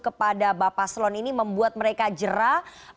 kepada bapak slon ini membuat mereka jerah